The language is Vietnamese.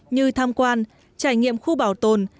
như tham quan trải nghiệm khu bảo tồn